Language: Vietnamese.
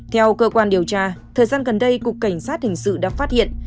theo cơ quan điều tra thời gian gần đây cục cảnh sát hình sự đã phát hiện